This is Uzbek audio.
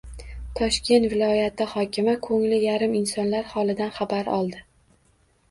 Toshkent viloyati hokimi ko‘ngli yarim insonlar holidan xabar oldi